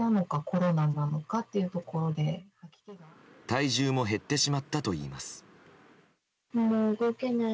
体重も減ってしまったといいます。